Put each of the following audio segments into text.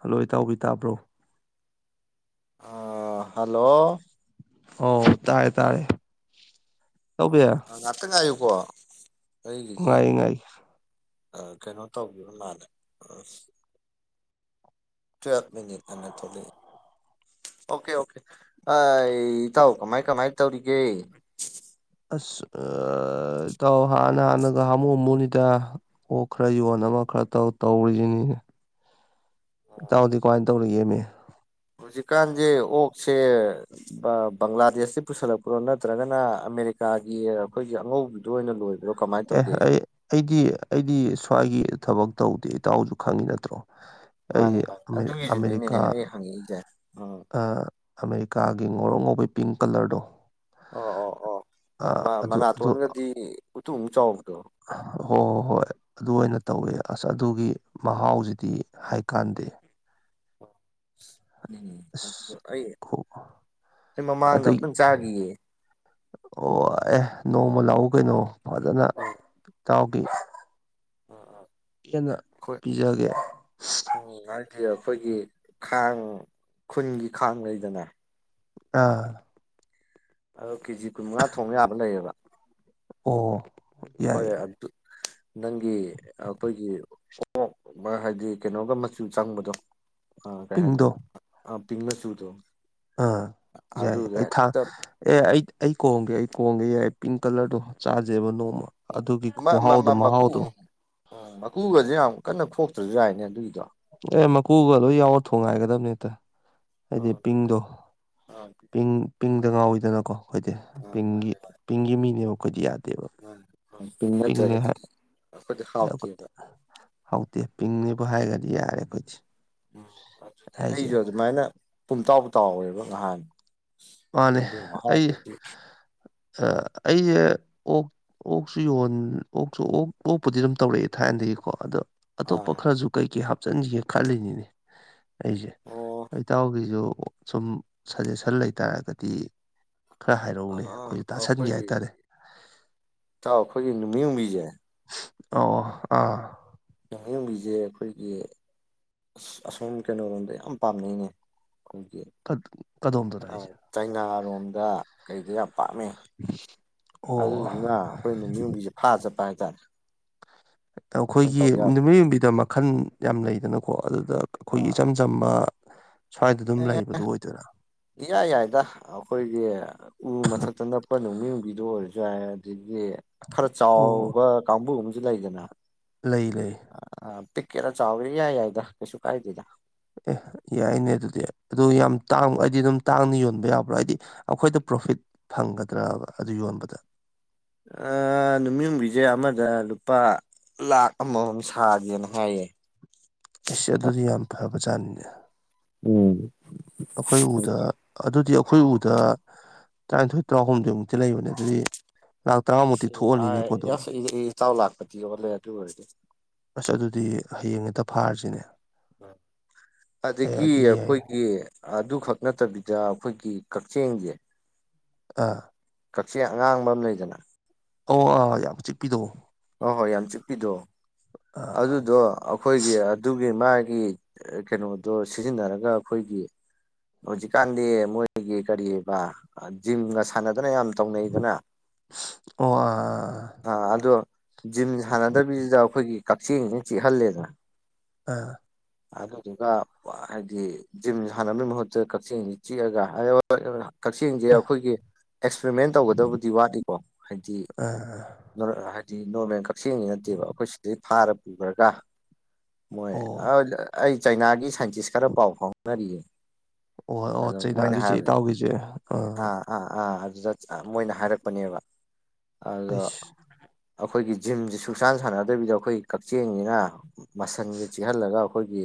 hello ꯏꯇꯥꯎꯕꯤ ꯇꯥꯕ꯭ꯔꯣ ꯑꯥ ꯍꯜꯂꯣ ꯑꯧ ꯇꯥꯔꯦ ꯇꯥꯔꯦ ꯏꯇꯥꯎꯕꯤ ꯑꯣ ꯉꯥꯇ ꯉꯥꯏꯌꯨꯀꯣ ꯉꯥꯏ ꯉꯥꯏꯒꯦ ꯑ ꯀꯩꯅꯣ ꯇꯧꯕꯤꯕ ꯃꯥꯜꯂꯦ ꯑ ꯇꯨꯋꯦꯜ ꯃꯤꯅꯤꯠ ꯑꯅ ꯊꯣꯂꯛꯑꯦ ꯑꯣꯀꯦ ꯑꯣꯀꯦ ꯑ ꯏꯇꯥꯎ ꯀꯃꯥꯏ ꯀꯃꯥꯏ ꯇꯧꯔꯤꯒꯦ ꯑꯁ ꯑꯥ ꯏꯇꯥꯎ ꯍꯥꯟꯅ ꯍꯥꯟꯅꯒ ꯍꯥꯃꯨ ꯍꯥꯃꯨꯅꯤꯗ ꯑꯣꯛ ꯈꯔ ꯌꯣꯟ ꯑꯃ ꯈꯔ ꯇꯧ ꯇꯧꯔꯤꯖꯤꯅꯤꯅꯦ [inaudible] ꯏꯇꯥꯎꯗꯤ ꯀꯃꯥꯏ ꯇꯧꯔꯤꯒꯦꯃꯤ ꯍꯧꯖꯤꯛꯀꯥꯟꯁꯦ ꯑꯣꯛꯁꯦ ꯑꯥ ꯕꯪꯒ꯭ꯂꯥꯗꯦꯁꯇꯤ ꯄꯨꯁꯜꯂꯛꯄ꯭ꯔꯣ ꯅꯠꯇ꯭ꯔꯒꯅ ꯑꯃꯦꯔꯤ ꯀꯩꯀꯥꯒꯤ ꯑꯈꯣꯏꯒꯤ ꯑꯉꯧꯕꯤꯗꯨ ꯑꯣꯏꯅ ꯂꯣꯏꯕ ꯑꯦ ꯑꯩ ꯑꯩꯗꯤ ꯑꯩꯗꯤ ꯁ꯭ꯋꯥꯏꯒꯤ ꯊꯕꯛ ꯇꯧꯗꯦ ꯏꯇꯥꯎꯁꯨ ꯈꯪꯉꯤ ꯅꯠꯇ꯭ꯔꯣ [inaudible] ꯑꯩ ꯑꯃꯦꯔꯤꯀꯥ ꯑꯗꯨꯒꯤꯁꯨꯅꯤꯅꯦꯅꯦ ꯑꯩ ꯍꯪꯉꯛꯏꯁꯦ ꯎꯝ ꯑꯥ ꯑꯃꯦꯔꯤꯀꯥꯒꯤ ꯉꯧꯔꯣꯛ ꯉꯧꯕ ꯄꯤꯡ ꯀꯥꯂ꯭ꯔꯗꯣ ꯑꯣ ꯑꯣ ꯑꯣ ꯃꯥ ꯑꯗꯨ ꯃꯅꯥꯇꯣꯟꯒꯗꯤ ꯎꯇꯨꯞ ꯃꯨꯛ ꯆꯥꯎꯕꯗꯣ ꯍꯣ ꯍꯣ ꯍꯣꯏ ꯑꯗꯨ ꯑꯣꯏꯅ ꯇꯧꯋꯦ ꯑꯁ ꯑꯗꯨꯒꯤ ꯃꯍꯥꯎꯁꯤꯗꯤ ꯍꯥꯏꯀꯥꯟꯗꯦ [inaudible] ꯎꯝ ꯑꯁ ꯑꯩ ꯑꯩ ꯃꯃꯥꯡꯗ ꯑꯗꯒꯤ ꯑꯝꯇꯪ ꯆꯥꯒꯤꯌꯦ ꯑꯣ ꯑꯦ ꯅꯣꯡꯃ ꯂꯥꯛꯎ ꯀꯩꯅꯣ ꯐꯖꯅ ꯎꯝ ꯏꯇꯥꯎꯒꯤ ꯎꯝ ꯍꯦꯟꯅ ꯎꯝ ꯄꯤꯖꯒꯦ ꯑꯦ ꯑꯩꯈꯣꯏꯒꯤ ꯈꯥꯡ ꯈꯨꯟꯒꯤ ꯈꯥꯡꯂꯩꯗꯅ ꯑꯥ ꯑꯗꯣ ꯀꯦꯖꯤ ꯀꯨꯟꯃꯉꯥ ꯊꯣꯡ ꯌꯥꯕ ꯂꯩꯌꯦꯕ ꯑꯣ ꯍꯣꯏ ꯌꯥꯏ ꯑꯗꯨ ꯅꯪꯒꯤ ꯑꯩꯈꯣꯏꯒꯤ ꯑꯣꯛ ꯍꯥꯏꯗꯤ ꯀꯩꯅꯣꯒ ꯃꯆꯨ ꯆꯪꯕꯗꯣ ꯑꯥ ꯀꯩ ꯄꯤꯡꯗꯣ ꯍꯥꯏꯗꯣꯏꯅꯣ ꯄꯤꯡ ꯃꯆꯨꯗꯣ ꯑꯥ ꯌꯥꯏ ꯑꯗꯨꯒ ꯑꯩ ꯊꯥ ꯍꯦꯛꯇ ꯑꯦ ꯑꯩ ꯑꯩ ꯀꯣꯡꯒꯦ ꯑꯩ ꯀꯣꯡꯒꯦ ꯌꯥꯏ ꯄꯤꯡ ꯀꯂꯔꯗꯣ ꯆꯥꯖꯦꯕ ꯅꯣꯡꯃ ꯑꯗꯨꯒꯤ ꯈꯨꯍꯥꯎꯗꯣ ꯃꯍꯥꯎꯗꯣ ꯎꯝ ꯃꯀꯨꯒꯁꯦ ꯌꯥꯝ ꯀꯟꯅ ꯈꯣꯛꯇ꯭ꯔꯁꯨ ꯌꯥꯏꯅꯦ ꯑꯗꯨꯒꯤ ꯑꯦ ꯃꯀꯨꯒ ꯂꯣꯏ ꯌꯥꯎꯔ ꯊꯣꯡ ꯒꯥꯏꯒꯗꯕꯅꯤ ꯍꯦꯛꯇ ꯍꯥꯏꯗꯤ ꯄꯤꯡꯗꯣ ꯑ ꯄꯤꯡ ꯄꯤꯡꯗ ꯉꯥꯎꯋꯤꯗꯅꯀꯣ ꯑꯩꯈꯣꯏꯗꯤ ꯄꯤꯡꯒꯤ ꯃꯥꯅꯦ ꯄꯤꯡꯒꯤ ꯃꯤꯅꯦꯕ ꯑꯩꯈꯣꯏꯗꯤ ꯌꯥꯗꯦ ꯃꯥꯅꯦ ꯄꯤꯡ ꯄꯤꯡꯅꯦ ꯅꯠꯇ꯭ꯔꯒꯗꯤ ꯍꯥꯏ ꯑꯩꯈꯣꯏꯗꯤ ꯍꯥꯎꯇꯦꯕ ꯍꯧꯇꯦ ꯄꯤꯡꯅꯦ ꯕꯨ ꯍꯥꯏꯔꯗꯤ ꯌꯥꯔꯦ ꯈꯣꯏꯗꯤ ꯎꯝ ꯑꯗꯨꯅꯤ ꯑꯩꯁꯨ ꯑꯗꯨꯃꯥꯏꯅ ꯄꯨꯡꯇꯥꯎ ꯇꯥꯎꯋꯦꯕ ꯉꯍꯥꯟ ꯃꯥꯅꯦ ꯑꯩ ꯑꯥ ꯑꯩꯁꯦ ꯑꯣꯛ ꯑꯣꯛꯁꯨ ꯌꯣꯟ ꯑꯣꯛꯁꯨ ꯑꯣꯛ ꯑꯣꯛꯄꯨꯗꯤ ꯑꯗꯨꯝ ꯇꯧꯔꯛꯑꯦ ꯊꯥꯏꯅꯗꯒꯤꯀꯣ ꯑꯗꯣ ꯑꯇꯣꯞꯄ ꯑꯥ ꯈꯔꯁꯨ ꯀꯩ ꯀꯩ ꯍꯥꯞꯆꯤꯟꯖꯦ ꯈꯜꯂꯤꯅꯤꯅꯦ ꯑꯩꯁꯦ ꯑꯣ ꯏꯇꯥꯎꯒꯤꯁꯨ ꯁꯨꯝ ꯁꯖꯦꯁꯟ ꯂꯩꯇꯔꯒꯗꯤ ꯈꯔ ꯍꯥꯏꯔꯛꯎꯅꯦ ꯑꯥ ꯑꯩꯈꯣꯏꯁꯨ ꯇꯥꯁꯟꯒꯦ ꯑꯩꯈꯣꯏꯒꯤ ꯍꯥꯏꯇꯥꯔꯦ ꯏꯇꯥꯎ ꯑꯩꯈꯣꯏꯒꯤ ꯅꯨꯃꯤ ꯌꯨꯡꯕꯤꯁꯦ ꯑꯣ ꯑꯣ ꯑꯥ ꯅꯨꯃꯤꯠ ꯌꯨꯡꯕꯤꯁꯦ ꯑꯩꯈꯣꯏꯒꯤ ꯑꯁ ꯑꯁꯣꯝ ꯀꯩꯅꯣꯔꯣꯝꯗ ꯌꯥꯝ ꯄꯥꯝꯅꯩꯅꯦ ꯑꯩꯈꯣꯏꯒꯤ ꯀ- ꯀꯗꯣꯝꯗꯅꯣ ꯑꯥ ꯍꯥꯏꯁꯦ ꯆꯩꯅꯥꯔꯣꯝ ꯗ ꯀꯩꯗꯥ ꯌꯥꯝ ꯄꯥꯝꯃꯦ ꯑꯣ ꯑꯗꯨꯗꯨꯅ ꯑꯩꯈꯣꯏ ꯅꯨꯃꯤꯠ ꯌꯨꯡꯕꯤꯁꯦ ꯐꯥ ꯆꯠꯄ ꯍꯥ [unintelligible] ꯑꯩꯈꯣꯏꯒꯤ ꯅꯨꯃꯤꯠ ꯌꯨꯝꯕꯤꯗ ꯃꯈꯜ ꯌꯥꯝ ꯂꯩꯗꯅꯀꯣ ꯑꯗꯨꯗ ꯑꯩꯈꯣꯏꯒꯤ ꯑꯥ ꯏꯆꯝ ꯆꯝꯕ ꯑꯗꯥꯏꯗ ꯗꯨꯝ ꯑꯦ ꯂꯩꯕꯗꯨ ꯑꯣꯏꯗꯣꯏꯔꯥ ꯏꯌꯥ ꯌꯥꯏꯗ ꯑꯩꯈꯣꯏꯒꯤ ꯎ ꯃꯊꯛꯇ ꯅꯛꯄ ꯅꯨꯃꯤꯠ ꯌꯨꯡꯕꯤꯗꯣ ꯑꯣꯏꯔꯖꯨ ꯌꯥꯏ ꯑꯗꯒꯤ ꯈꯔ ꯑꯣ ꯆꯥꯎꯕ ꯀꯥꯡꯕꯨ ꯑꯃꯁꯨ ꯂꯩꯗꯅ ꯂꯩ ꯂꯩ ꯄꯤꯛꯀꯦꯔ ꯆꯥꯎꯒꯦꯔ ꯏꯌꯥ ꯌꯥꯏꯗ ꯀꯩꯁꯨ ꯀꯥꯏꯗꯦꯗ ꯑꯦ ꯌꯥꯏꯅꯦ ꯑꯗꯨꯗꯤ ꯑꯗꯨ ꯌꯥꯝ ꯇꯥꯡꯕ ꯍꯥꯏꯗꯤ ꯑꯗꯨꯝ ꯇꯥꯡꯅ ꯌꯣꯟꯕ ꯌꯥꯕ꯭ꯔꯥ ꯍꯥꯏꯗꯤ ꯑꯩꯈꯣꯏꯗ ꯄꯔꯣ ꯐꯤꯠ ꯐꯪꯒꯗ꯭ꯔꯕ ꯑꯗꯨ ꯌꯣꯟꯕꯗ ꯑꯥ ꯅꯨꯃꯤꯌꯨꯡꯕꯤꯁꯦ ꯑꯃꯗ ꯂꯨꯄꯥ ꯂꯥꯛ ꯑꯃꯃꯝ ꯁꯥꯒꯦꯅ ꯍꯥꯏꯌꯦ ꯑꯩꯁ ꯑꯗꯨꯗꯤ ꯌꯥꯝ ꯐꯕꯖꯥꯠꯅꯤꯅꯦ ꯎꯝ ꯑꯩꯈꯣꯏ ꯎꯗ ꯑꯗꯨꯗꯤ ꯑꯩꯈꯣꯏ ꯎꯗ ꯇꯔꯥꯅꯤꯊꯣꯏ ꯇꯔꯥꯍꯨꯝꯗꯣꯏꯃꯨꯛꯇꯤ ꯂꯩꯕꯅꯦ ꯑꯗꯨꯗꯤ ꯂꯥꯛ ꯇꯔꯥꯃꯨꯛꯇꯤ ꯊꯣꯛꯑꯅꯤꯅꯦꯀꯣ ꯑꯗꯨꯝ [unintelligible] ꯑꯁ ꯑꯗꯨꯗꯤ ꯍꯌꯦꯡ ꯍꯦꯛꯇ ꯐꯥꯔꯁꯤꯅꯦ ꯑꯦ ꯑꯗꯒꯤ ꯑꯗꯨ ꯌꯥꯏ ꯑꯩꯈꯣꯏꯒꯤ ꯑꯗꯨꯈꯛ ꯅꯠꯇꯕꯤꯗ ꯑꯩꯈꯣꯏꯒꯤ ꯀꯛꯆꯦꯡꯁꯦ ꯑꯥ ꯀꯛꯆꯦꯡ ꯑꯉꯥꯡꯕ ꯑꯃ ꯂꯩꯗꯅ ꯑꯣ ꯑꯥ ꯌꯥꯝ ꯆꯤꯛꯄꯤꯗꯣ ꯍꯣꯏ ꯍꯣꯏ ꯌꯥꯝ ꯆꯤꯛꯄꯤꯗꯣ ꯑꯥ ꯑꯗꯨꯗꯣ ꯑꯩꯈꯣꯏꯒꯤ ꯑꯗꯨꯒꯤ ꯃꯥꯥꯏ ꯒꯤ ꯑꯥ ꯀꯩꯅꯣꯗꯣ ꯁꯤꯖꯤꯟꯅꯔꯒ ꯑꯩꯈꯣꯏꯒꯤ ꯍꯧꯖꯤꯛꯀꯥꯟꯗꯤ ꯃꯣꯏꯒꯤ ꯀꯔꯤꯕ ꯑꯥ ꯖꯤꯝꯒ ꯁꯥꯟꯅꯗꯅ ꯌꯥꯝ ꯇꯧꯅꯩꯗꯅ ꯑꯣ ꯑꯥ ꯑꯥ ꯑꯗꯣ ꯖꯤꯝ ꯁꯥꯟꯅꯗꯕꯤꯁꯤꯗ ꯑꯩꯈꯣꯏꯒꯤ ꯀꯛꯆꯦꯡꯁꯤꯅ ꯆꯤꯛꯍꯜꯂꯦꯗꯅ ꯑꯥ ꯑꯗꯨꯗꯨꯒ ꯍꯥꯏꯗꯤ ꯖꯤꯝ ꯁꯥꯟꯅꯕꯩ ꯃꯍꯨꯠꯇ ꯀꯛꯆꯤꯡꯁꯤ ꯆꯤꯛꯑꯒ ꯑꯑꯣꯏꯑꯣ ꯀꯛꯆꯦꯡꯁꯤ ꯑꯩꯈꯣꯏꯒꯤ ꯑꯦꯛꯁꯄꯔꯤꯃꯦꯟ ꯇꯧꯒꯗꯕꯨꯗꯤ ꯋꯥꯠꯂꯤꯀꯣ ꯍꯥꯏꯗꯤ ꯑꯥ ꯍꯥꯏꯗꯤ ꯅꯣꯔꯃꯦꯜ ꯀꯛꯆꯦꯡꯁꯤ ꯅꯠꯇꯦꯕ ꯑꯩꯈꯣꯏ ꯁꯤꯗꯩ ꯐꯥꯔ ꯄꯨꯈ꯭ꯔꯒ ꯃꯣꯏ ꯑꯣ ꯑꯩ ꯆꯩꯅꯥꯒꯤ ꯁꯥꯏꯟꯇꯤꯁ ꯈꯔ ꯄꯥꯎ ꯐꯥꯎꯅꯔꯤꯌꯦ ꯑꯣ ꯑꯣ ꯑꯗꯨ ꯃꯣꯏꯅ ꯆꯩꯅꯥꯒꯤꯁꯦ ꯍꯥꯏꯕꯗ ꯏꯇꯥꯎꯒꯤꯁꯦ ꯑꯥ ꯑꯥ ꯑꯥ ꯖꯨꯖꯠ ꯃꯣꯏꯅ ꯍꯥꯏꯔꯛꯄꯅꯦꯕ ꯑꯗꯣ ꯑꯩꯁ ꯑꯩꯈꯣꯏꯒꯤ ꯖꯤꯝꯁꯦ ꯁꯨꯡꯁꯥꯟ ꯁꯥꯟꯅꯗꯕꯤꯗ ꯑꯩꯈꯣꯏ ꯀꯛꯆꯦꯡꯁꯤꯅ ꯃꯁꯟꯁꯦ ꯆꯤꯍꯜꯂꯒ ꯑꯩꯈꯣꯏꯒꯤ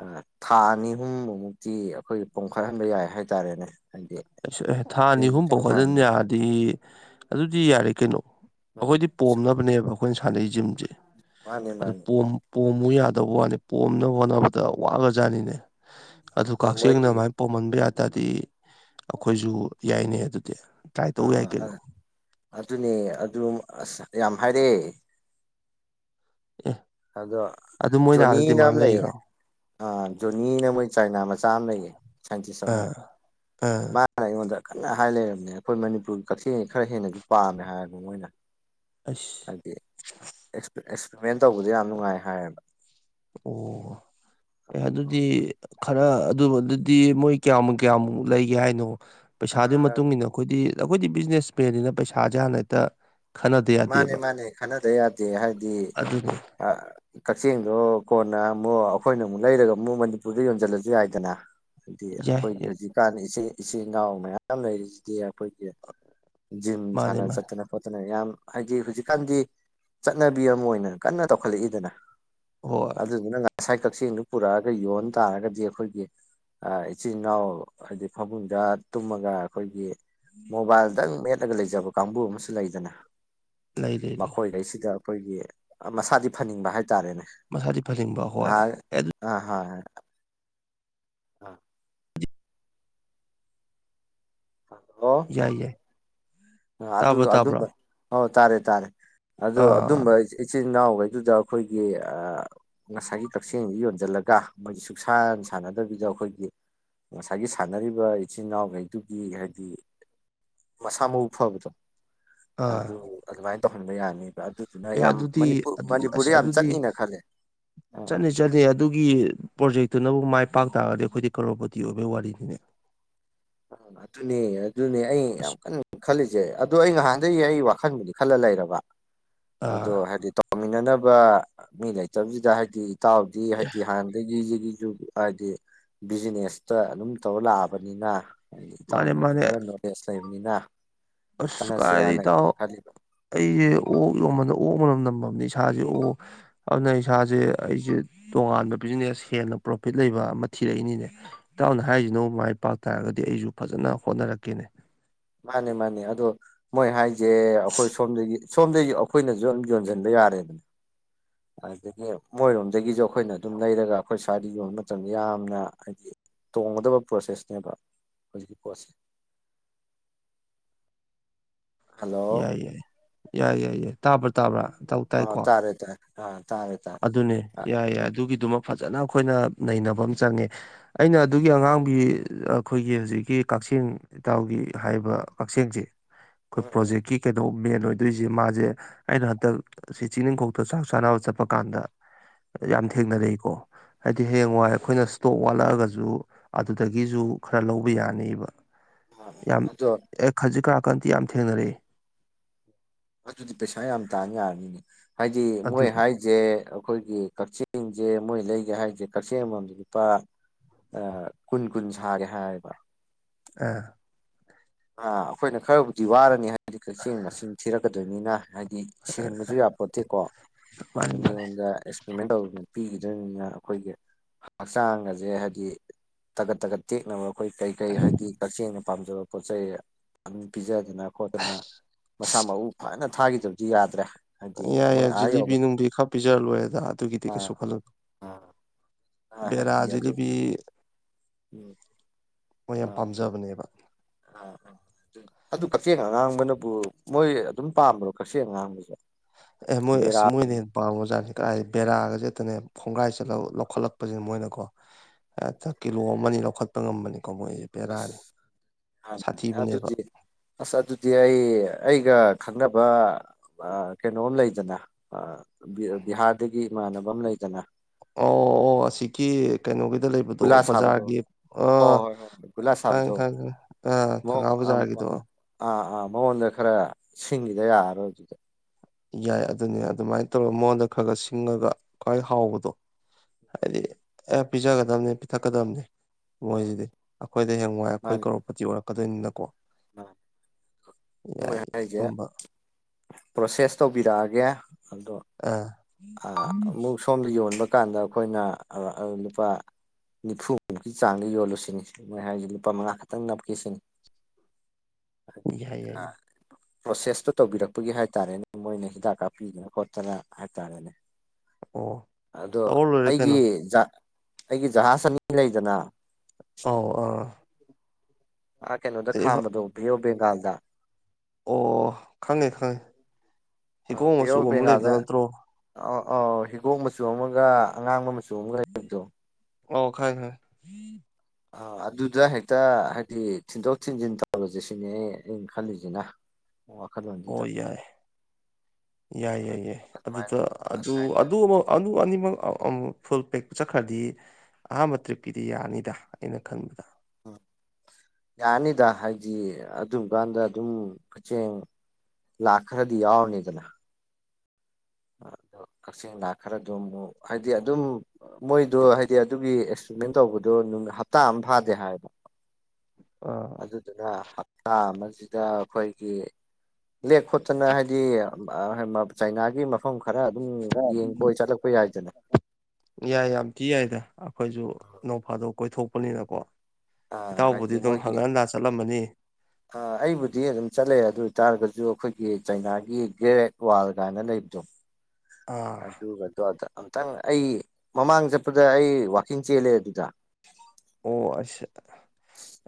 ꯑꯥ ꯊꯥ ꯑꯅꯤ ꯑꯍꯨꯝ ꯃꯨꯛꯇꯤ ꯑꯩꯈꯣꯏ ꯄꯣꯈꯠꯍꯟꯕ ꯌꯥꯏ ꯍꯥꯏꯇꯥꯔꯦꯅꯦ ꯍꯥꯏꯗꯤ ꯑꯩꯁ ꯑꯦ ꯊꯥ ꯑꯅꯤ ꯖꯤꯝ ꯑꯍꯨꯝ ꯁꯨꯡꯁꯥꯟ ꯄꯣꯝꯈꯠꯍꯟ ꯁꯥꯟꯅꯗ ꯌꯥꯔꯗꯤ ꯑꯗꯨꯗꯤ ꯌꯥꯔꯦ ꯀꯩꯅꯣ ꯎꯝ ꯑꯩꯈꯣꯏꯗꯤ ꯄꯣꯝꯅꯕꯅꯦꯕ ꯑꯩꯈꯣꯏꯅ ꯁꯥꯟꯅꯩ ꯖꯤꯝꯁꯦ ꯃꯥꯅꯤ ꯑꯗꯨ ꯃꯥꯅꯤ ꯄꯣꯝ ꯄꯣꯝꯃꯨ ꯌꯥꯗꯕ ꯋꯥꯅꯤ ꯄꯣꯝꯅꯕ ꯍꯣꯠꯅꯕꯗ ꯋꯥꯒ꯭ꯔ ꯖꯥꯠꯅꯤꯅꯦ ꯑꯗꯨ ꯑꯗꯣ ꯀꯛꯆꯦꯡꯅ ꯃꯣꯏꯒꯤ ꯑꯃꯥꯏ ꯄꯣꯝꯍꯟꯕ ꯌꯥ ꯇꯔꯗꯤ ꯑꯩꯈꯣꯏꯁꯨ ꯌꯥꯏꯅꯦ ꯑꯗꯨꯗꯤ ꯇꯧ ꯑꯥ ꯌꯥꯏ ꯀꯩꯅꯣ ꯑꯥ ꯑꯗꯨꯅꯦ ꯑꯗꯨ ꯑꯁ ꯌꯥꯝ ꯍꯥꯏꯔꯛꯑꯦ ꯑꯦ ꯑꯗꯣ ꯑꯗꯨ ꯃꯣꯏꯅ ꯑꯥꯗ ꯖꯣꯅꯤꯅ ꯗꯤꯃꯥꯟ ꯑꯃ ꯂꯩꯌꯦ ꯂꯩꯔꯤꯔꯣ ꯑꯥ ꯖꯣꯅꯤꯅ ꯃꯣꯏ ꯆꯥꯏꯅꯥ ꯃꯆꯥ ꯑꯃ ꯂꯩꯌꯦ ꯁꯥꯏꯟꯇꯤꯁ ꯑꯃ ꯑꯥ ꯑꯥ ꯃꯥꯅ ꯑꯩꯉꯣꯟꯗ ꯀꯟꯅ ꯍꯥꯏ ꯂꯩꯔꯕꯅꯦ ꯑꯩꯈꯣꯏ ꯃꯅꯤꯄꯨꯔꯒꯤ ꯀꯛꯆꯦꯡ ꯈꯔ ꯍꯦꯟꯅꯗꯤ ꯄꯥꯝꯃꯦ ꯍꯥꯏꯌꯦꯕ ꯃꯣꯏꯅ ꯑꯁ ꯍꯥꯏꯗꯤ ꯑꯦꯛꯁꯄꯔꯤ ꯑꯦꯛꯁꯄꯔꯤꯃꯦꯟ ꯇꯧꯕꯗ ꯌꯥꯝ ꯅꯨꯡꯉꯥꯏ ꯍꯥꯏꯌꯦꯕ ꯑꯣ ꯑꯦ ꯑꯗꯨꯗꯤ ꯈꯔ ꯑꯗꯨ ꯑꯗꯨꯗꯤ ꯃꯣꯏ ꯀꯌꯥꯃꯨꯛ ꯀꯌꯥꯃꯨꯛ ꯂꯩꯒꯦ ꯍꯥꯏꯅꯣ ꯄꯩꯁꯥꯗꯨꯒꯤ ꯃꯇꯨꯡꯏꯟꯅ ꯑꯩꯈꯣꯏꯗꯤ ꯑꯩꯈꯣꯏꯗꯤ ꯕꯤꯖꯤꯅꯦꯁ ꯃꯦꯟꯅꯤꯅ ꯄꯩꯁꯥꯁꯦ ꯍꯥꯟꯅ ꯍꯦꯛꯇ ꯈꯟꯅꯗ ꯃꯥꯅꯦ ꯌꯥꯗꯦꯕ ꯃꯥꯅꯦ ꯈꯟꯅꯗ ꯌꯥꯗꯦ ꯍꯥꯏꯗꯤ ꯑꯗꯨꯅꯤ ꯑꯥ ꯀꯛꯆꯦꯡꯗꯣ ꯀꯣꯟꯅ ꯑꯃꯨꯛ ꯑꯩꯈꯣꯏꯅ ꯑꯃꯨꯛ ꯂꯩꯔꯒ ꯑꯃꯨꯛ ꯃꯅꯤꯄꯨꯔꯗ ꯌꯣꯟꯖꯤꯜꯂꯖꯨ ꯌꯥꯏꯗꯅ ꯍꯥꯏꯗꯤ ꯑꯩꯈꯣꯏꯒꯤ ꯌꯥꯏ ꯍꯧꯖꯤꯛꯀꯥꯟ ꯏꯆꯦ ꯏꯆꯤꯜ ꯏꯅꯥꯎ ꯃꯌꯥꯝ ꯂꯩꯔꯤꯁꯤꯗꯤ ꯑꯩꯈꯣꯏ ꯖꯤꯝ ꯃꯥꯅꯦ ꯁꯥꯟꯅ ꯃꯥꯅꯦ ꯆꯠꯇꯅ ꯈꯣꯠꯇꯅ ꯌꯥꯝ ꯍꯥꯏꯗꯤ ꯍꯧꯖꯤꯛꯀꯥꯟꯗꯤ ꯆꯠꯅꯕꯤ ꯑꯃ ꯑꯣꯏꯅ ꯀꯟꯅ ꯇꯧꯈꯠꯂꯛꯏꯗꯅ ꯍꯣꯏ ꯑꯗꯨꯗꯨꯅ ꯉꯁꯥꯏ ꯀꯛꯆꯦꯡꯗꯣ ꯄꯨꯔꯛꯑꯒ ꯌꯣꯟ ꯇꯥꯔꯒꯗꯤ ꯑꯩꯈꯣꯏꯒꯤ ꯑꯥ ꯏꯆꯤꯜ ꯏꯅꯥꯎ ꯍꯥꯏꯗꯤ ꯐꯃꯨꯡꯗ ꯇꯨꯝꯃꯒ ꯑꯩꯈꯣꯏꯒꯤ ꯃꯣꯕꯥꯏꯜꯗꯪ ꯃꯦꯠꯂꯒ ꯂꯩꯖꯕ ꯀꯥꯡꯕꯨ ꯑꯃꯁꯨ ꯂꯩꯗꯅ ꯂꯩ ꯂꯩ ꯂꯩ ꯃꯈꯣꯏꯈꯩꯁꯤꯗ ꯑꯩꯈꯣꯏꯒꯤ ꯃꯁꯥꯗꯤ ꯐꯅꯤꯡꯕ ꯍꯥꯏꯇꯥꯔꯦꯅꯦ ꯃꯁꯥꯗꯤ ꯐꯅꯤꯡꯕ ꯍꯣꯏ ꯉꯥꯏ ꯑꯦ ꯑꯗꯨ ꯑꯥ ꯍꯣꯏ ꯍꯣꯏ ꯑꯥ ꯍꯜꯂꯣ ꯌꯥꯏ ꯌꯥꯏ ꯑꯗꯨ ꯇꯥꯕ꯭ꯔꯣ ꯇꯥꯕ꯭ꯔꯣ ꯑꯗꯨꯝꯕ ꯑꯣ ꯇꯥꯔꯦ ꯇꯥꯔꯦ ꯑꯗꯨ ꯑꯥ ꯑꯗꯨꯝꯕ ꯏꯆꯦ ꯏꯆꯤꯟ ꯏꯅꯥꯎꯒꯩꯗꯨꯗ ꯑꯩꯈꯣꯏꯒꯤ ꯑꯥ ꯉꯁꯥꯏꯒꯤ ꯀꯛꯆꯦꯡꯖꯤ ꯌꯣꯟꯖꯜꯂꯛ ꯀ ꯃꯣꯏ ꯁꯨꯛꯁꯥꯟ ꯁꯥꯟꯅꯗꯕꯤꯗ ꯑꯩꯈꯣꯏꯒꯤ ꯉꯁꯥꯏꯒꯤ ꯁꯥꯟꯅꯔꯤꯕ ꯏꯆꯤꯟ ꯏꯅꯥꯎꯉꯩꯗꯨꯒꯤ ꯍꯥꯏꯕꯗꯤ ꯃꯁꯥ ꯃꯎ ꯐꯕꯗꯣ ꯑꯥ ꯑꯗꯨ ꯑꯗꯨꯃꯥꯏꯅ ꯇꯧꯍꯟꯕ ꯌꯥꯅꯤ ꯑꯗꯨꯗꯨꯅ ꯑꯦ ꯌꯥꯝ ꯑꯗꯨꯗꯤ ꯃꯅꯤꯄꯨꯔ ꯑꯗꯨꯗꯤ ꯃꯅꯤꯄꯨꯔꯗ ꯑꯁ ꯌꯥꯝ ꯑꯗꯨꯗꯤ ꯆꯠꯅꯤꯅ ꯈꯜꯂꯦ ꯑꯥ ꯑꯥ ꯆꯠꯅꯤ ꯆꯠꯅꯤ ꯑꯗꯨꯒꯤ ꯄ꯭ꯔꯣꯖꯦꯛꯇꯨꯅꯕꯨ ꯃꯥꯏ ꯄꯥꯛ ꯇꯥꯔꯗꯤ ꯑꯈꯣꯏꯗꯤ ꯀꯔꯣꯄꯇꯤ ꯑꯣꯏꯕꯩ ꯋꯥꯔꯤꯅꯤꯅꯦ ꯑ ꯑꯗꯨꯅꯦ ꯑꯗꯨꯅꯦ ꯑꯩ ꯌꯥꯝ ꯑꯁ ꯀꯟꯅ ꯈꯜꯂꯤꯁꯦ ꯑꯗꯨ ꯑꯩ ꯉꯥꯍꯥꯟ ꯗꯩ ꯑꯩ ꯋꯥꯈꯟꯕꯨ ꯕꯨꯗꯤ ꯈꯜꯂ ꯂꯩꯔꯕ ꯑꯗꯣ ꯑꯥ ꯍꯥꯏꯗꯤ ꯇꯧꯃꯤꯟꯅꯅ ꯕ ꯃꯤ ꯂꯩꯇꯕꯖꯤꯗ ꯍꯥꯏꯗꯤ ꯏꯇꯥꯎꯗꯤ ꯑꯦ ꯍꯥꯏꯗꯤ ꯍꯥꯟꯅꯗꯒꯤ ꯁꯤꯒꯤ ꯗꯨꯒꯤ ꯍꯥꯏꯗꯤ ꯕꯤꯖꯤꯅꯦꯁꯇ ꯑꯗꯨꯝ ꯇꯧꯔ ꯂꯥꯛꯑꯕꯅꯤꯅ ꯍꯥꯏꯗꯤ ꯃꯥꯅꯦ ꯏꯇꯥꯎꯅꯁꯨ ꯃꯥꯅꯦ ꯈꯔ ꯅꯣꯂꯦꯁ ꯂꯩꯕꯅꯤꯅ ꯑꯁ ꯀꯥꯏꯗꯩ ꯇꯥꯟꯅꯁꯤꯔꯥꯅ ꯏꯇꯥꯎ ꯀꯟꯅ ꯈꯜꯂꯤꯕ ꯑꯩꯁꯦ ꯑꯣꯛ ꯌꯣꯟꯕꯗ ꯑꯣꯛ ꯃꯅꯝ ꯅꯝꯃꯝꯅꯦ ꯏꯁꯥꯁꯦ ꯑꯣꯛ ꯑꯗꯨꯅ ꯎꯝ ꯏꯁꯥꯁꯦ ꯑꯩꯁꯦ ꯇꯣꯉꯥꯟꯕ ꯕꯤꯖꯤꯅꯦꯁ ꯍꯦꯟꯅ ꯄ꯭ꯔꯣꯐꯤꯠ ꯂꯩꯕ ꯑꯃ ꯊꯤꯔꯛꯏꯅꯤꯅꯦ ꯏꯇꯥꯎꯅ ꯍꯥꯏꯔꯤꯖꯤꯅꯕꯨ ꯃꯥꯏ ꯄꯥꯎ ꯇꯥꯔꯗꯤ ꯑꯩꯁꯨ ꯐꯖꯟꯅ ꯍꯣꯠꯅꯔꯛꯀꯦꯅꯦ ꯃꯥꯅꯦ ꯃꯥꯅꯦ ꯑꯗꯣ ꯃꯣꯏ ꯍꯥꯏꯁꯦ ꯑꯈꯣꯏ ꯁꯣꯝꯗꯒꯤ ꯁꯣꯝꯗꯒꯤ ꯑꯈꯣꯏꯅꯁꯨ ꯑꯗꯨꯝ ꯌꯣꯟꯖꯤꯟꯕ ꯌꯥ ꯌꯥꯔꯦꯗꯅ ꯑꯗꯒꯤ ꯃꯣꯏꯔꯣꯝꯗꯒꯤꯁꯨ ꯑꯈꯣꯏꯅ ꯗꯨꯝ ꯂꯩꯔꯒ ꯑꯩꯈꯣꯏ ꯁ꯭ꯋꯥꯏꯗ ꯌꯣꯟꯕ ꯃꯇꯝꯗ ꯌꯥꯝꯅ ꯍꯥꯏꯗꯤ ꯇꯣꯡꯒꯗꯕ ꯄ꯭ꯔꯣꯁꯦꯁꯅꯦꯕ ꯍꯧꯖꯤꯛꯀꯤ ꯄꯣꯠꯁꯦ ꯍꯜꯂꯣ ꯌꯥꯏ ꯌꯥꯏ ꯌꯥꯏ ꯌꯥꯏ ꯌꯥꯏ ꯇꯥꯕ꯭ꯔꯥ ꯇꯥꯕ꯭ꯔꯥ ꯏꯇꯥꯎ ꯑꯥ ꯇꯥꯏꯀꯣ ꯇꯥꯔꯦ ꯇꯥꯔꯦ ꯑꯥ ꯇꯥꯔꯦ ꯇꯥꯔꯦ ꯑꯗꯨꯅꯦ ꯑꯥ ꯌꯥꯏ ꯌꯥꯏ ꯑꯗꯨꯒꯤ ꯑꯗꯨꯃ ꯐꯖꯟꯅ ꯑꯈꯣꯏꯅ ꯅꯩꯅꯕ ꯑꯃ ꯆꯪꯉꯦ ꯑꯩꯅ ꯑꯗꯨꯒꯤ ꯑꯉꯥꯡꯕꯤ ꯑꯈꯣꯏꯒꯤ ꯍꯧꯖꯤꯛꯀꯤ ꯀꯛꯆꯦꯡ ꯏꯇꯥꯎꯒꯤ ꯍꯥꯏꯕ ꯀꯛꯆꯦꯡꯁꯦ ꯎꯝ ꯈꯣꯏ ꯎꯝ ꯄ꯭ꯔꯣꯖꯦꯛꯀꯤ ꯀꯩꯅꯣ ꯃꯦꯟ ꯑꯣꯏꯗꯣꯏꯖꯦ ꯃꯥꯖꯦ ꯑꯩꯅ ꯍꯟꯗꯛ ꯁꯤ ꯆꯤꯡꯅꯤꯡꯈꯣꯛꯇ ꯆꯥꯛ ꯆꯥꯅꯕ ꯆꯠꯄ ꯀꯥꯟꯗ ꯌꯥꯝ ꯊꯦꯡꯅꯔꯛꯏꯀꯣ ꯍꯥꯏꯗꯤ ꯍꯌꯦꯡ ꯋꯥꯏ ꯑꯈꯣꯏꯅ ꯇꯣꯞ ꯋꯥꯠꯂꯛꯑꯒꯁꯨ ꯑꯗꯨꯗꯒꯤꯖꯨ ꯈꯔ ꯂꯧꯕ ꯌꯥꯅꯤꯕ ꯎꯝ ꯌꯥꯝ ꯑꯗꯣ ꯑꯦ ꯈꯖꯤꯛ ꯈꯔꯥꯛ ꯀꯟꯇꯤ ꯌꯥꯝ ꯊꯦꯡꯅꯔꯛꯑꯦ ꯑꯗꯨꯗꯤ ꯄꯩꯁꯥ ꯌꯥꯝ ꯇꯥꯟ ꯌꯥꯔꯅꯤꯅꯦ ꯍꯥꯏꯗꯤ ꯃꯣꯏ ꯑꯗꯨꯅꯦ ꯍꯥꯏꯖꯦ ꯑꯈꯣꯏꯒꯤ ꯀꯛꯆꯦꯡꯖꯦ ꯃꯣꯏ ꯂꯩꯒꯦ ꯍꯥꯏ ꯖꯤꯛ ꯀꯛꯆꯦꯡ ꯑꯃꯃꯝꯗ ꯂꯨꯄꯥ ꯑꯥ ꯀꯨꯟ ꯀꯨꯟ ꯁꯥꯒꯦ ꯍꯥꯏꯌꯦꯕ ꯑꯥ ꯑ ꯑꯩꯈꯣꯏꯅ ꯈꯔꯕꯨꯗꯤ ꯋꯥꯔꯅꯤ ꯍꯥꯏꯗꯤ ꯀꯛꯆꯦꯡ ꯃꯁꯤꯡ ꯊꯤꯔꯛꯀꯗꯣꯏꯅꯤꯅ ꯍꯥꯏꯗꯤ ꯁꯤꯍꯟꯕꯁꯨ ꯌꯥꯄꯣꯇꯦꯀꯣ ꯃꯥꯅꯤ ꯑꯗꯨ ꯃꯥꯅꯤ ꯃꯤꯉꯣꯟꯗ ꯑꯦꯛꯁ꯭ꯄꯔꯤꯃꯦꯟ ꯇꯧꯅ ꯄꯤꯒꯤ ꯑꯗꯨꯅꯤꯅ ꯑꯈꯣꯏꯒꯤ ꯍꯛꯆꯥꯡꯒꯖꯦ ꯍꯥꯏꯗꯤ ꯇꯒꯠ ꯇꯒꯠ ꯇꯦꯛꯅꯕ ꯑꯈꯣꯏ ꯀꯩꯀꯩ ꯍꯥꯏꯗꯤ ꯀꯛꯆꯦꯡꯅ ꯄꯥꯝꯖꯕ ꯄꯣꯠ ꯆꯩꯩ ꯑꯗꯨꯝ ꯄꯤꯖ ꯗꯅ ꯈꯣꯠꯇꯅ ꯃꯁꯥ ꯃꯎ ꯐꯅ ꯊꯥꯒꯤꯗꯕꯗꯤ ꯌꯥꯗ꯭ꯔꯦ ꯍꯥꯏꯗꯤ ꯌꯥꯏ ꯃꯣꯏ ꯌꯥꯏ ꯑꯥ ꯖꯤꯂꯤꯕꯤ ꯌꯧꯕ ꯅꯨꯡꯕꯤ ꯈꯔ ꯄꯤꯖ ꯂꯣꯏꯔꯦꯗ ꯑꯗꯨꯒꯤꯗꯤ ꯀꯩꯁꯨ ꯑꯥ ꯈꯜꯂꯨꯅꯨ [inaudible] ꯕꯦꯔꯥ ꯑꯗꯨ ꯖꯤꯂꯤꯕꯤ [unintelligible] ꯃꯣꯏ ꯌꯥꯝ ꯑꯥ ꯄꯥꯝꯖꯕꯅꯦꯕ ꯑꯗꯨ ꯀꯛꯆꯤꯡ ꯑꯉꯥꯡꯕꯅꯕꯨ ꯃꯣꯏ ꯑꯗꯨꯝ ꯄꯥꯝꯕ꯭ꯔꯣ ꯀꯛꯆꯦꯡ ꯑꯉꯥꯡꯕꯖꯦ ꯑꯦ ꯃꯣꯏ ꯑꯦꯁ ꯃꯣꯏꯅ ꯍꯦꯟ ꯄꯥꯝꯒ꯭ꯔꯖꯥꯅꯤ ꯀꯥꯏ ꯕꯦꯔꯥꯒꯖꯦ ꯇꯅꯦ ꯈꯣꯡꯒ꯭ꯔꯥꯏ ꯆꯜꯂ ꯂꯧꯈꯠꯂꯛꯄꯖꯤꯅ ꯃꯣꯏꯅꯀꯣ ꯍꯦꯇ ꯀꯤꯂꯣ ꯑꯃꯅꯤ ꯂꯧꯈꯠꯄ ꯉꯝꯕꯅꯤ ꯑꯁ ꯁꯥꯊꯤꯕꯅꯦꯕ ꯑꯗꯨꯗꯤ ꯑꯁ ꯑꯗꯨꯗꯤ ꯑꯩ ꯑꯩ ꯑꯩꯒ ꯈꯪꯅꯕ ꯑ ꯀꯩꯅꯣꯝ ꯂꯩꯗꯅ ꯑ ꯕꯤꯍꯥꯔꯗꯒꯤ ꯏꯃꯥꯟꯅꯕ ꯑꯝ ꯂꯩꯗꯅ ꯑꯣ ꯑꯣ ꯑꯁꯤꯀꯤ ꯀꯩꯅꯣꯒꯤꯗ ꯂꯩꯕꯗꯣ ꯒꯨꯂꯥ ꯁꯥꯕꯗꯣ ꯕꯖꯥꯔꯒꯤ ꯑ ꯍꯣꯏ ꯍꯣꯏ ꯍꯣꯏ ꯒꯨꯂꯥ ꯈꯪꯉꯦ ꯁꯥꯕꯗꯣ ꯈꯪꯉꯦ ꯈꯪꯉꯦ ꯑ ꯃꯑꯣꯡ ꯊꯪꯒꯥꯜ ꯕꯖꯥꯔ ꯕꯖꯥꯔꯒꯤꯗꯣ ꯑꯥ ꯑꯥ ꯃꯉꯣꯟꯗ ꯈꯔ ꯁꯤꯡꯒꯤꯗ ꯌꯥꯔꯣꯏ ꯑꯗꯨꯗꯤ ꯌꯥꯏ ꯑꯗꯨꯅꯤ ꯑꯗꯨꯃꯥꯏ ꯇꯧꯔ ꯃꯉꯣꯟꯗ ꯈꯒ ꯈꯒ ꯁꯤꯡꯉꯒ ꯈ꯭ꯋꯥꯏ ꯍꯥꯎꯕꯗꯣ ꯍꯥꯏꯗꯤ ꯑꯥ ꯄꯤꯖꯒꯗꯝꯅꯦ ꯄꯤꯊꯛꯀꯗꯝꯅꯦ ꯃꯣꯏꯖꯤꯗꯤ ꯑꯈꯣꯏꯗꯤ ꯍꯌꯦꯡꯋꯥꯏ ꯑꯈꯣꯏ ꯃꯥꯅꯤ ꯀꯔꯣꯔꯄꯇꯤ ꯑꯣꯏꯔꯛꯀꯗꯣꯏꯅꯤꯅꯀꯣ ꯑ ꯍꯣꯏ ꯌꯥꯏ ꯍꯥꯏꯗꯦ ꯑꯗꯨꯝꯕ ꯄ꯭ꯔꯣꯁꯦꯁ ꯇꯧꯕꯤꯔꯛꯑꯒꯦ ꯑ ꯑ ꯑꯃꯨꯛ ꯁꯣꯝꯗ ꯌꯣꯟꯕ ꯀꯥꯟꯗ ꯑꯈꯣꯏꯅ ꯑ ꯑ ꯂꯨꯄꯥ ꯅꯤꯐꯨꯃꯨꯛꯀꯤ ꯆꯥꯡꯗ ꯌꯣꯜꯂꯨꯁꯤꯅꯤ ꯃꯣꯏ ꯍꯥꯏꯖꯦ ꯂꯨꯄꯥ ꯃꯉꯥ ꯈꯛꯇꯪ ꯅꯞꯀꯦ ꯁꯤꯅꯤ ꯌꯥꯏ ꯌꯥꯏ ꯌꯥꯏ [unintelligible] ꯄ꯭ꯔꯣꯁꯦꯁꯇꯨ ꯇꯧꯕꯤꯔꯛꯄꯒꯤ ꯍꯥꯏ ꯇꯔꯦꯅꯦ ꯃꯣꯏꯅ ꯍꯤꯗꯥꯛ ꯀꯥꯞꯄꯤꯗꯅ ꯈꯣꯠꯇꯅ ꯍꯥꯏ ꯇꯔꯦꯅꯦ ꯑꯣ ꯑꯗꯣ ꯇꯧꯔ ꯂꯣꯏꯔꯦ ꯑꯩꯒꯤ ꯀꯩꯅꯣ ꯖ ꯑꯩꯒꯤ ꯖꯍꯥꯖ ꯑꯅꯤ ꯂꯩꯗꯅ ꯑꯥꯎ ꯑꯥ ꯑꯥ ꯀꯩꯅꯣꯗ ꯈꯥꯝꯕꯗꯣ ꯕꯦꯋ ꯑꯣꯐ ꯕꯦꯡꯒꯥꯜꯗ ꯑꯣ ꯈꯪꯉꯦ ꯈꯪꯉꯦ ꯍꯤꯒꯣꯛ ꯃꯆꯨ ꯑꯃ ꯂꯩꯕꯗꯣ ꯅꯠꯇ꯭ꯔꯣ ꯑꯣ ꯍꯤꯒꯣꯛ ꯃꯆꯨ ꯑꯃꯒ ꯑꯉꯥꯡꯕ ꯃꯆꯨ ꯑꯃꯒ ꯂꯩꯕꯗꯣ ꯑꯣ ꯈꯪꯉꯦ ꯈꯪꯉꯦ ꯑꯣ ꯑꯗꯨꯗ ꯍꯦꯛꯇ ꯍꯥꯏꯗꯤ ꯊꯤꯟꯗꯣꯛ ꯊꯤꯟꯖꯤꯟ ꯇꯧꯔꯖꯦ ꯁꯤꯅꯦ ꯑꯩꯅ ꯈꯜꯂꯤꯁꯤꯅ ꯑꯣ ꯋꯥꯈꯜꯂꯣꯟꯁꯤꯗ ꯌꯥꯏ ꯌꯥꯏ ꯌꯥꯏ ꯌꯥꯏ ꯑꯗꯨꯃꯥꯏꯅ ꯑꯗꯨꯗ ꯑꯗꯨ ꯑꯗꯨꯃꯥꯏꯅ ꯑꯗꯨ ꯑꯅꯤꯃꯛ ꯐꯨꯜ ꯄꯦꯛꯄ ꯆꯠꯈ꯭ꯔꯗꯤ ꯑꯍꯥꯟꯕ ꯇ꯭ꯔꯤꯞꯀꯤꯗꯤ ꯌꯥꯅꯤꯗ ꯑꯩꯅ ꯈꯟꯕꯗ [unintelligible] ꯌꯥꯅꯤꯗ ꯍꯥꯏꯗꯤ ꯑꯗꯨꯝꯀꯥꯟꯗ ꯑꯗꯨꯝ ꯀꯆꯦꯡ ꯂꯥꯛꯈꯔꯗꯤ ꯌꯥꯎꯔꯅꯤꯗꯅ ꯑ ꯀꯛꯆꯤꯡ ꯂꯥꯛ ꯈꯔ ꯑꯗꯨ ꯑꯃꯨꯛ ꯍꯥꯏꯗꯤ ꯑꯗꯨꯝ ꯃꯣꯏꯗꯣ ꯍꯥꯏꯗꯤ ꯑꯗꯨꯒꯤ ꯑꯦꯛꯁꯄ꯭ꯔꯤꯃꯦꯟ ꯇꯧꯕꯗꯣ ꯅꯨꯃꯤꯠ ꯍꯞꯇꯥ ꯑꯃ ꯐꯥꯗꯦ ꯍꯥꯏꯕ ꯑꯥ ꯑꯗꯨꯗꯨꯅ ꯍꯞꯇꯥ ꯑꯃꯖ ꯁꯤꯗ ꯈꯣꯏꯒꯤ ꯂꯦꯛ ꯈꯣꯠꯇꯅ ꯍꯩꯗꯤ ꯆꯥꯏꯅꯥꯒꯤ ꯃꯐꯝ ꯈꯔ ꯑꯗꯨꯝ ꯌꯦꯡ ꯀꯣꯏ [unintelligible] ꯆꯠꯂꯛꯄ ꯌꯥꯏꯗꯅ ꯌꯥ ꯌꯥꯝ ꯊꯤ ꯌꯥꯏꯗ ꯑꯈꯣꯏꯁꯨ ꯅꯧꯐꯥꯗꯣꯛ ꯀꯣꯏꯊꯣꯛꯄꯅꯤꯅꯀꯣ ꯏꯇꯥꯎꯕꯨꯗꯤ ꯍꯥꯏꯗꯤ ꯗꯨꯝ ꯃꯣꯏꯒꯤ ꯍꯪꯒꯠ ꯍꯟꯗꯥ ꯆꯠꯂꯝꯃꯅꯤ ꯑ ꯑꯩꯕꯨꯗꯤ ꯑꯗꯨꯝ ꯆꯠꯂꯦ ꯑꯗꯨ ꯑꯣꯏꯇꯥꯔꯒꯁꯨ ꯑꯈꯣꯏꯒꯤ ꯆꯩꯅꯥꯒꯤ ꯒ꯭ꯔꯦꯠ ꯋꯥꯔꯜ ꯀꯥꯏꯅ ꯂꯩꯕꯗꯣ ꯑꯥ ꯑꯗꯨꯒꯗꯣ ꯑꯗ ꯑꯝꯇꯪ ꯑꯩ ꯃꯃꯥꯡ ꯆꯠꯄꯗ ꯑꯩ ꯋꯥꯛꯀꯤꯡ ꯆꯦꯜꯂꯦ ꯑꯗꯨꯗ ꯑꯣ ꯑꯁ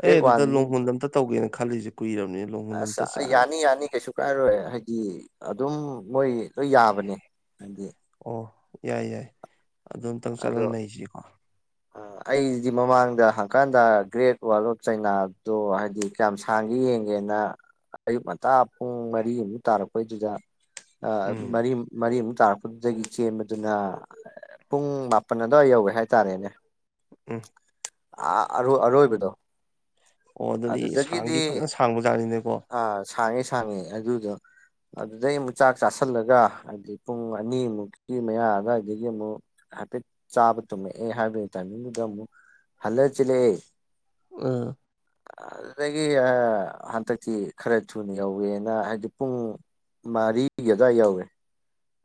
ꯑꯩ ꯒ꯭ꯔꯦꯠ ꯋꯥꯜ ꯑꯗꯨꯗ ꯂꯣꯡꯍꯨꯟ ꯑꯝꯇ ꯇꯧꯒꯦꯅ ꯈꯜꯂꯤꯁꯦ ꯀꯨꯏꯔꯕꯅꯤ ꯂꯣꯡꯍꯨꯟ ꯑꯁ ꯑꯝꯇ ꯑꯥ ꯆꯥ ꯌꯥꯅꯤ ꯌꯥꯅꯤ ꯀꯩꯁꯨ ꯀꯥꯏꯔꯣꯏ ꯍꯥꯏꯗꯤ ꯑꯗꯨꯝ ꯃꯣꯏ ꯂꯣꯏ ꯌꯥꯕꯅꯦ ꯍꯥꯏꯗꯤ ꯑꯣ ꯌꯥꯏ ꯌꯥꯏ ꯑꯗꯨ ꯑꯝꯇꯪ ꯆꯠꯂ ꯑꯗꯣ ꯅꯩꯁꯤꯀꯣ ꯑꯩꯗꯤ ꯃꯃꯥꯡꯗ ꯍꯪꯀꯠ ꯍꯟꯗ ꯒ꯭ꯔꯦꯠ ꯋꯥꯔꯜ ꯑꯣꯐ ꯆꯩꯅꯥꯗꯣ ꯍꯥꯏꯗꯤ ꯀꯌꯥꯝ ꯁꯥꯡꯉꯤ ꯌꯦꯡꯒꯦꯅ ꯑꯌꯨꯛ ꯉꯟꯇꯥ ꯄꯨꯡ ꯃꯔꯤꯃꯨꯛ ꯇꯥꯔꯛꯄꯩꯗꯨꯗ ꯎꯝ ꯃꯔꯤ ꯃꯔꯤꯃꯨꯛ ꯇꯥꯔꯛꯄꯗꯨꯗꯒꯤ ꯆꯦꯟꯕꯗꯨꯅ ꯄꯨꯡ ꯃꯥꯄꯟ ꯑꯗꯨꯋꯥꯏ ꯌꯧꯋꯦ ꯍꯥꯏꯇꯥꯔꯦꯅꯦ ꯎꯝ ꯑꯥ ꯑꯔꯣꯏ ꯑꯔꯣꯏꯕꯗꯣ ꯑꯣ ꯑꯗꯨꯗꯤ ꯑꯗꯨꯗꯒꯤꯗꯤ ꯁꯥꯡꯗꯤ ꯐꯖꯅ ꯁꯥꯡꯕꯖꯥꯠꯅꯤꯅꯦꯀꯣ ꯑꯥ ꯁꯥꯡꯉꯤ ꯁꯥꯡꯉꯦ ꯑꯗꯨꯗꯣ ꯑꯗꯨꯗꯩ ꯑꯃꯨꯛ ꯆꯥꯛ ꯆꯥꯁꯜꯂꯒ ꯍꯥꯏꯗꯤ ꯄꯨꯡ ꯑꯅꯤꯃꯨꯛꯀꯤ ꯃꯌꯥ ꯑꯗꯥꯥꯏꯗꯒꯤ ꯑꯃꯨꯛ ꯍꯥꯏꯐꯦꯠ ꯆꯥꯕ ꯇꯨꯝꯃꯦ ꯑꯦ ꯍꯥꯏꯕꯩ ꯇꯥꯏꯃꯤꯡ ꯗꯨꯗ ꯃꯨꯛ ꯍꯜꯂ ꯆꯦꯜꯂꯦ ꯑꯝ ꯑꯗꯨꯗꯒꯤ ꯑꯥ ꯍꯟꯗꯛꯇꯤ ꯈꯔ ꯊꯨꯅ ꯌꯧꯋꯦꯅ ꯍꯥꯏꯗꯤ ꯄꯨꯡ ꯃꯥꯔꯤꯒꯤ ꯑꯗꯨꯋꯥꯢ ꯌꯧꯋꯦ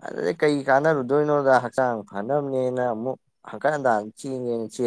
ꯑꯗꯨꯗꯩ ꯀꯩ ꯀꯥꯟꯅꯔꯨꯗꯣꯏꯅꯣꯗ ꯍꯛꯆꯥꯡ ꯐꯅꯕꯅꯦꯅ ꯑꯃꯨꯛ ꯍꯪꯀꯠ-ꯍꯟꯇꯥ ꯆꯦꯟꯒꯦꯅ ꯆꯦꯜꯂꯤ